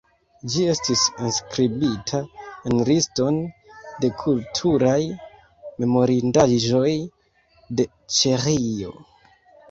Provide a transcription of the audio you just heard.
Ĝi estis enskribita en liston de kulturaj memorindaĵoj de Ĉeĥio.